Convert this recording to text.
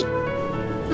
makasih ya bunda